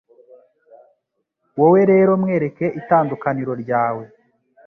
Wowe rero mwereke itandukaniro ryawe